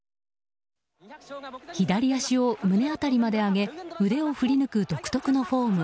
左足を胸辺りまで上げ腕を振り抜く独特のフォーム